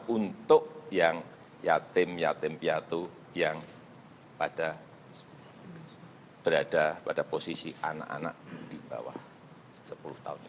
untuk yang yatim yatim piatu yang pada berada pada posisi anak anak di bawah sepuluh tahun ini